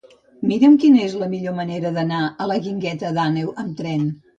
Mira'm quina és la millor manera d'anar a la Guingueta d'Àneu amb tren.